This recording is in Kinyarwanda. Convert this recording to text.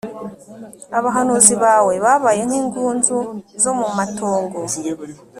abahanuzi bawe babaye nk ingunzu zo mu matongo